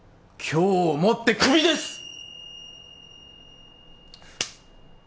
今日をもってクビです！